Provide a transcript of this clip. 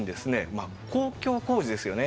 まあ公共工事ですよね。